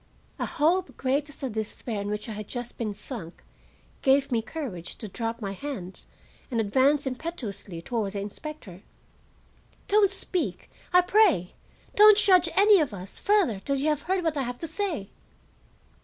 A hope, great as the despair in which I had just been sunk, gave me courage to drop my hands and advance impetuously toward the inspector. "Don't speak, I pray; don't judge any of us further till you have heard what I have to say."